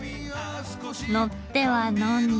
乗っては呑んで。